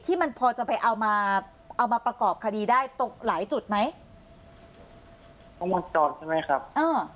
มันพอจะไปเอามาเอามาประกอบคดีได้ตกหลายจุดไหมต้องวงจรใช่ไหมครับอ่า